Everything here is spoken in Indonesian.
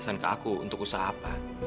pesan ke aku untuk usaha apa